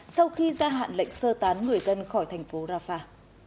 sau khi gia hạn lệnh sơ tán người dân khỏi thành phố rafah